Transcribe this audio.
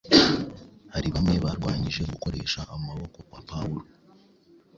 Hari bamwe barwanyije gukoresha amaboko kwa Pawulo,